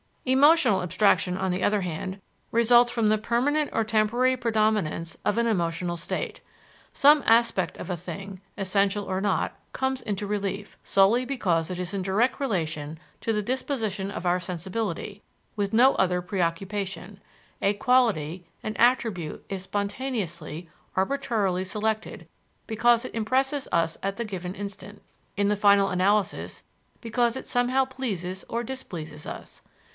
Emotional abstraction, on the other hand, results from the permanent or temporary predominance of an emotional state. Some aspect of a thing, essential or not, comes into relief, solely because it is in direct relation to the disposition of our sensibility, with no other preoccupation; a quality, an attribute is spontaneously, arbitrarily selected because it impresses us at the given instant in the final analysis, because it somehow pleases or displeases us.